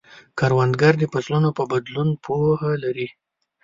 کروندګر د فصلونو په بدلون پوهه لري